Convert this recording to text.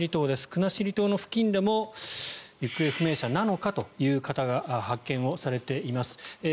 国後島付近でも行方不明者なのかという方が発見されています。